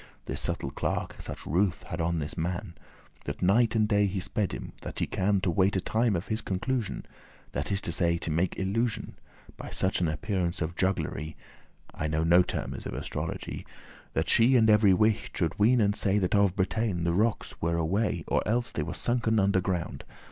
This subtle clerk such ruth* had on this man, *pity That night and day he sped him, that he can, To wait a time of his conclusion; This is to say, to make illusion, By such an appearance of jugglery (I know no termes of astrology), That she and every wight should ween and say, That of Bretagne the rockes were away, Or else they were sunken under ground.